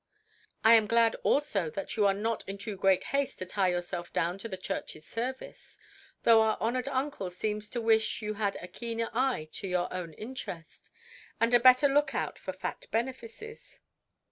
"I am glad also that you are not in too great haste to tie yourself down to the Church's service; though our honoured uncle seems to wish you had a keener eye to your own interest, and a better look out for fat benefices.